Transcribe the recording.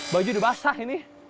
baju sudah basah ini